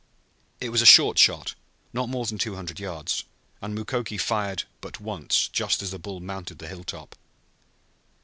It was a short shot, not more than two hundred yards, and Mukoki fired but once just as the bull mounted the hilltop.